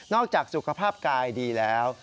จากสุขภาพกายดีแล้ว